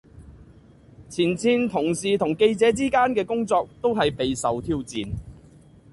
前線同事同記者之間嘅工作都係備受挑戰